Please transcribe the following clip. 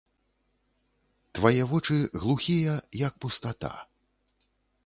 Твае вочы глухія, як пустата.